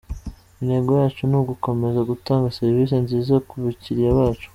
Intego yacu ni ugukomeza gutanga serivisi nziza ku bakiliya bacu.’’